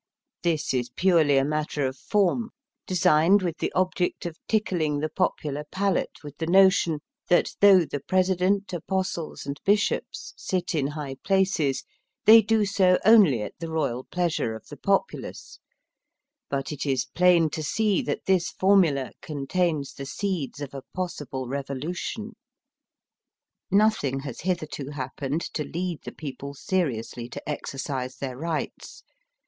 This is purely a matter of form, designed with the object of tickling the popular palate with the notion, that though the President, Apostles, and Bishops sit in high places, they do so only at the royal pleasure of the populace ; but it is plain to see that this formula contains the seeds of a possible revolution. Nothing has hitherto happened to lead the people seriously to exer cise their rights.